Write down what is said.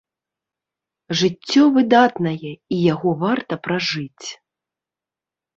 Жыццё выдатнае, і яго варта пражыць.